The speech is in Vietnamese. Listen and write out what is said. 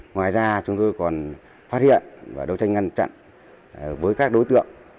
ngoài ra chúng tôi còn phát hiện và đấu tranh ngăn chặn với các đối tượng